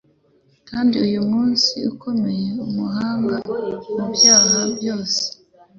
kandi uyu muzi ukomeye umuhanga mubyaha byose